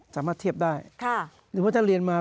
สามารถเทียบได้หรือว่าถ้าเรียนมา